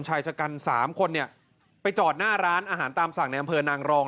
ชายชะกัน๓คนเนี่ยไปจอดหน้าร้านอาหารตามสั่งในอำเภอนางรอง